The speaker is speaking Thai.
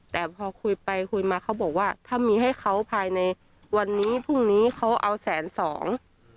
แต่พอคุยไปคุยมาเขาบอกว่าถ้ามีให้เขาภายในวันนี้พรุ่งนี้เขาเอาแสนสอง